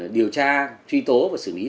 điều tra truy tố và xử lý